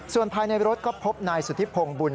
ส่วนภายในรถก็พบนายสุธิพงศ์บุญ